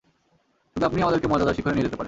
শুধু আপনিই আমাদেরকে মর্যাদার শিখরে নিয়ে যেতে পারেন!